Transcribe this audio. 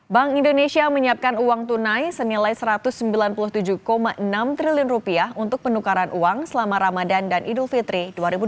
bank indonesia menyiapkan uang tunai senilai rp satu ratus sembilan puluh tujuh enam triliun untuk penukaran uang selama ramadan dan idul fitri dua ribu dua puluh